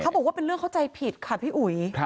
บอกว่าเป็นเรื่องเข้าใจผิดค่ะพี่อุ๋ย